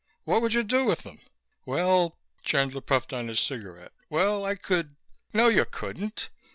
What would you do with them?" "Well...." Chandler puffed on his cigarette. "Well, I could " "No, you couldn't.